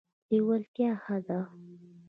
لیوالتیا ښه ده.